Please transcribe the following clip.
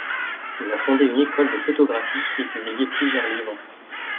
Il a fondé une école de photographie et publié plusieurs livres.